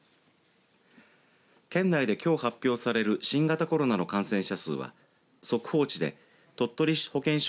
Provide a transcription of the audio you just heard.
県内で、きょう発表される新型コロナの感染者数は速報値で鳥取市保健所